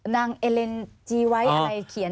นางเอเลนจีไวท์อันไหนเขียน